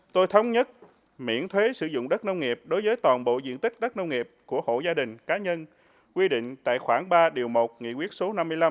tôi thống nhất miễn thuế sử dụng đất nông nghiệp đối với toàn bộ diện tích đất nông nghiệp của hộ gia đình cá nhân quy định tại khoảng ba điều một nghị quyết số năm mươi năm